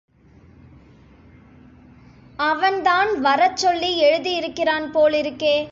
அவன்தான் வரச் சொல்லி எழுதியிருக்கான் போலிருக்கே.